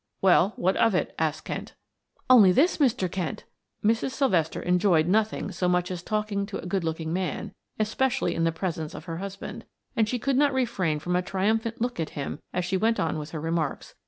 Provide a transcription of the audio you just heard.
"Well what of it?" asked Kent. "Only this, Mr. Kent;" Mrs. Sylvester enjoyed nothing so much as talking to a good looking man, especially in the presence of her husband, and she could not refrain from a triumphant look at him as she went on with her remarks.